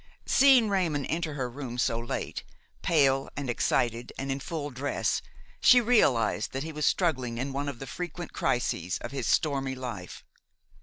Seeing Raymon enter her room so late, pale and excited, and in full dress, she realized that he was struggling in one of the frequent crises of his stormy life.